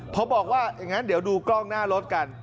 พอบอกว่าอย่างนั้นเดี๋ยวดูกล้องหน้ารถกัน